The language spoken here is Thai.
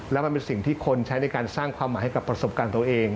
แล้วมันเป็นสิ่งที่คนใช้ในการสร้างความหมายให้กับประสบการณ์ตัวเอง